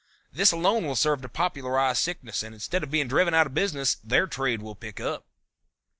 This alone will serve to popularize sickness and instead of being driven out of business their trade will pick up."